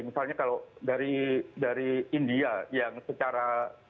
misalnya kalau dari india yang secara